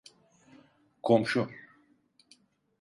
Komşu…